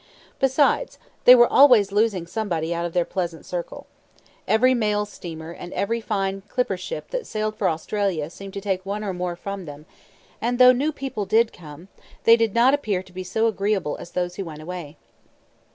Besides, they were always losing somebody out of their pleasant circle. Every mail steamer, and every fine clipper ship that sailed for Australia seemed to take one or more from them; and though new people did come, they did not appear to be so agreeable as those who went away.